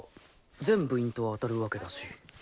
全部員と当たるわけだし。